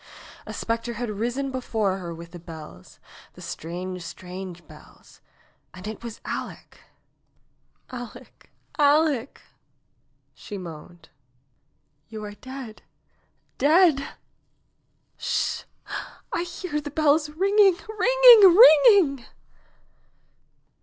A specter had risen before her with the bells — the strange, strange bells — and it was Aleck ! Aleck ! Aleck !" she moaned. ^Wou are dead — dead I Sh ! I hear the bells ringing, ringing, ringing